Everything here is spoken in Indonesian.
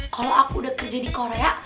kalau aku udah kerja di korea